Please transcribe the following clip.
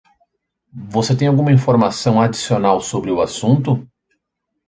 Você tem alguma informação adicional sobre o assunto?